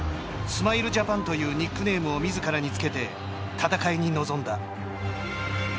スマイルジャパンというニックネームをみずからにつけて戦いに臨んだ。